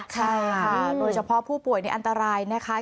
ค่ะโดยเฉพาะผู้ป่วยนี่อันตรายนะคะ